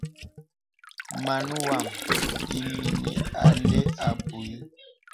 Màn wām ìmìnī a lɛ abù.